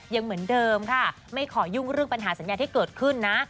ยังเหมือนเดิมค่ะไม่ขอยุ่งเรื่องปัญหาสัญญาที่เกิดขึ้นนะ